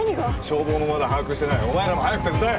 消防もまだ把握してないお前らも早く手伝え！